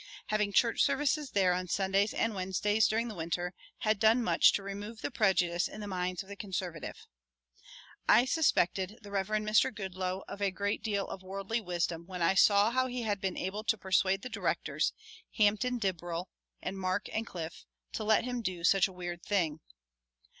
Having church services there on Sundays and Wednesdays during the winter had done much to remove the prejudice in the minds of the conservative. I suspected the Reverend Mr. Goodloe of a great deal of worldly wisdom when I saw how he had been able to persuade the directors, Hampton Dibrell and Mark and Cliff, to let him do such a weird thing.